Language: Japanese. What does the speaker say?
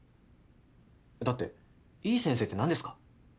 だっていい先生って何ですか？